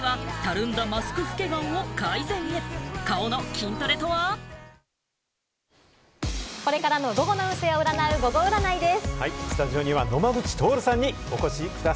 ニトリこれからの午後の運勢を占う「ゴゴ占い」です。